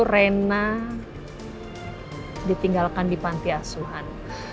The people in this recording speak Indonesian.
rena ditinggalkan di pantiasuhan